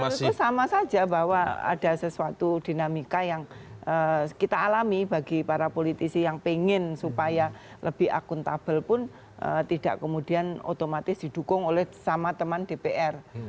ya itu sama saja bahwa ada sesuatu dinamika yang kita alami bagi para politisi yang pengen supaya lebih akuntabel pun tidak kemudian otomatis didukung oleh sama teman dpr